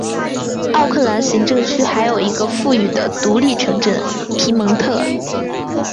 奥克兰行政区内还有一个富裕的独立城镇皮蒙特。